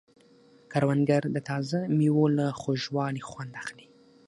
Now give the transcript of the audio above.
کروندګر د تازه مېوو له خوږوالي خوند اخلي